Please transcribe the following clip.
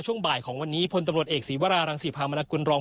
ช่วงบ่ายของวันนี้พลตำรวจเอกศีวรารังศรีพามนกุลรอง